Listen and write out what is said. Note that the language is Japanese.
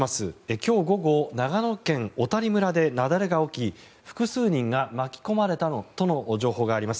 今日午後長野県小谷村で雪崩が起き複数人が巻き込まれたとの情報があります。